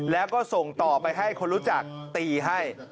แล้วก็ส่งต่อไปให้คนรู้จักตีให้